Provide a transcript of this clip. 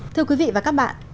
thưa quý vị và các bạn